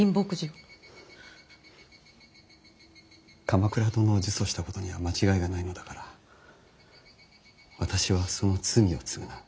鎌倉殿を呪詛したことには間違いがないのだから私はその罪を償う。